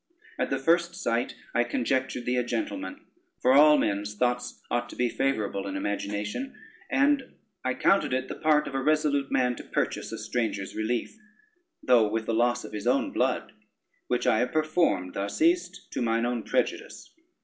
At the first sight I conjectured thee a gentleman, for all men's thoughts ought to be favorable in imagination, and I counted it the part of a resolute man to purchase a stranger's relief, though with the loss of his own blood; which I have performed, thou seest, to mine own prejudice.